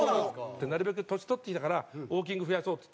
なるべく年取ってきたからウォーキング増やそうっつってな。